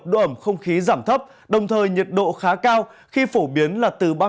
độ ẩm không khí giảm thấp đồng thời nhiệt độ khá cao khi phổ biến là từ ba mươi ba đến ba mươi năm